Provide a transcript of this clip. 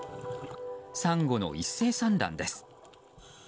サンゴの一斉産卵です。